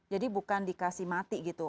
jadi bukan dikasih mati gitu